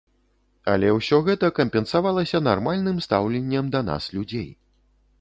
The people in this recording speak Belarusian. Але ўсё гэта кампенсавалася нармальным стаўленнем да нас людзей.